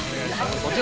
◆こちら。